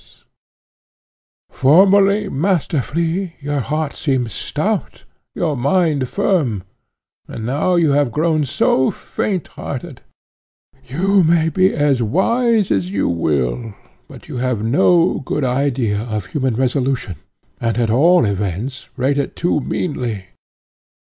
"Formerly," said Peregrine, "formerly, Master Flea, your heart seemed stout, your mind firm, and now you have grown so fainthearted! You may be as wise as you will, but you have no good idea of human resolution, and, at all events, rate it too meanly.